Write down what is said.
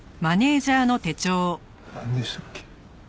なんでしたっけ？